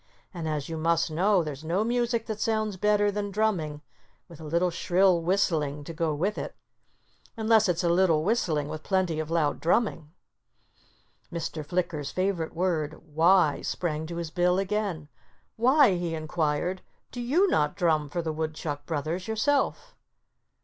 And as you must know, there's no music that sounds better than drumming, with a little shrill whistling to go with it—unless it's a little whistling, with a plenty of loud drumming." Mr. Flicker's favorite word "Why" sprang to his bill again. "Why," he inquired, "do you not drum for the Woodchuck brothers yourself?"